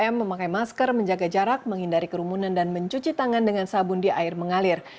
tiga m memakai masker menjaga jarak menghindari kerumunan dan mencuci tangan dengan sabun di air mengalir